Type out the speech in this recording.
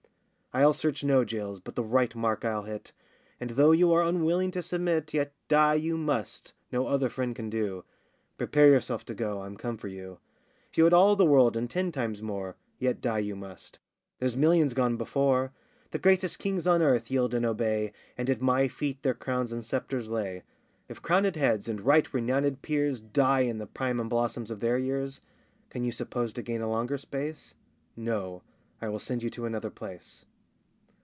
I'll search no jails, but the right mark I'll hit; And though you are unwilling to submit, Yet die you must, no other friend can do,— Prepare yourself to go, I'm come for you. If you had all the world and ten times more, Yet die you must,—there's millions gone before; The greatest kings on earth yield and obey, And at my feet their crowns and sceptres lay: If crownèd heads and right renownèd peers Die in the prime and blossoms of their years, Can you suppose to gain a longer space? No! I will send you to another place.